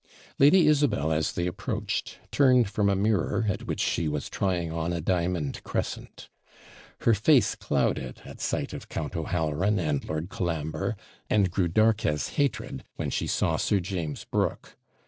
Lady Isabel, as they approached, turned from a mirror, at which she was trying on a diamond crescent. Her face clouded at sight of Count O'Halloran and Lord Colambre, and grew dark as hatred when she saw Sir James Brooke.